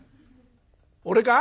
「俺か？